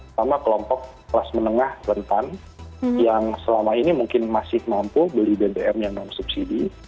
sama kelompok kelas menengah rentan yang selama ini mungkin masih mampu beli bbm yang non subsidi